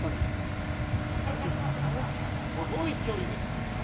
すごい距離ですね。